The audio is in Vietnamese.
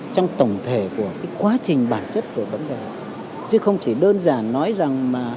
trong tổng thể của quá trình bản chất của vấn đề chứ không chỉ đơn giản nói rằng mà